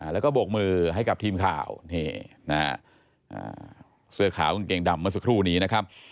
แล้วก็โบกมือให้กับทีมข่าวเสื้อขาวกางเกงดำเมื่อสักครู่นี้นะครับ